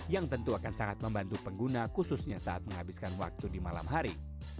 yang tentu akan sangat membantu pengguna khususnya saat menghabiskan waktu di malam hari